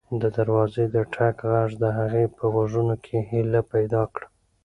د دروازې د ټک غږ د هغې په غوږونو کې هیله پیدا کړه.